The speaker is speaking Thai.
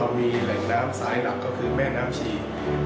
นั้นสี่หลักสายน้ำคือแม่น้ำชี